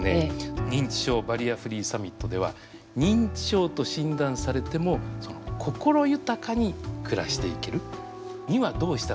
「認知症バリアフリーサミット」では認知症と診断されても心豊かに暮らしていけるにはどうしたらいいのか。